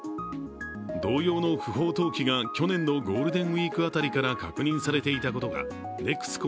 同様の不法投棄が去年のゴールデンウイーク辺りから確認されていたことがＮＥＸＣＯ